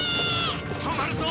止まるぞ！